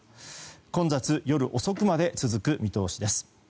混雑は夜遅くまで続く見通しです。